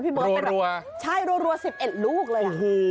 พี่เบิ้ลเป็นแบบใช่รวรัว๑๑ลูกเลยนะโอ้โฮ